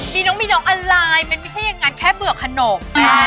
มีน้องมีน้องอะไรมันไม่ใช่อย่างนั้นแค่เบื่อขนม